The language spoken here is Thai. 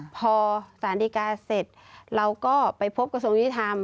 พอสารดีการ์เสร็จเราก็ไปพบกระทั่งรัฐมนตรีติดทำ